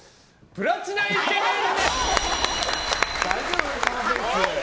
プラチナイケメン。